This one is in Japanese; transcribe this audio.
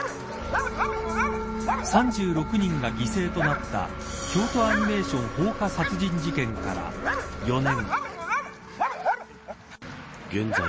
３６人が犠牲となった京都アニメーション放火殺人事件から４年。